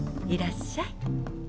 いらっしゃい。